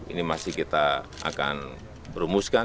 ini masih kita akan rumuskan